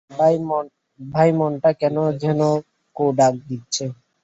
ভাই, মনটা কেন যেনো কু ডাক দিচ্ছে।